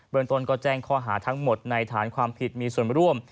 ตนก็แจ้งข้อหาทั้งหมดในฐานความผิดมีส่วนร่วม